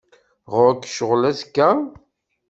Ɣur-k ccɣel azekka?